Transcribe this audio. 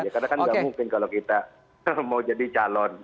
karena kan nggak mungkin kalau kita mau jadi calon